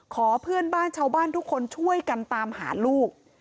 ขอเพื่อนบ้านชาวบ้านทุกคนช่วยกันตามหาลูก